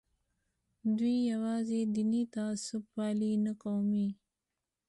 دوی یوازې دیني تعصب پالي نه قومي.